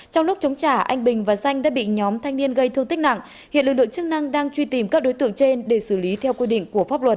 trong lúc chống trả anh bình và danh đã bị nhóm thanh niên gây thương tích nặng hiện lực lượng chức năng đang truy tìm các đối tượng trên để xử lý theo quy định của pháp luật